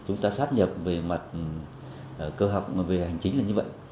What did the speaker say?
chúng ta sắp nhập về mặt cơ học về hành chính là như vậy